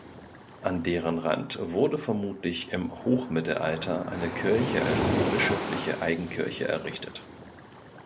An deren Rand wurde vermutlich im Hochmittelalter eine Kirche als bischöfliche Eigenkirche errichtet.